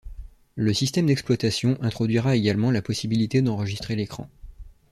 Le système d'exploitation introduira également la possibilité d'enregistrer l'écran.